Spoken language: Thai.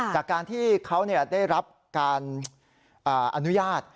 จากการที่เขาได้รับการอนุญาต